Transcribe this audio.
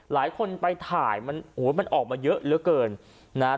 หลายคนไปถ่ายมันโอ้โหมันออกมาเยอะเหลือเกินนะฮะ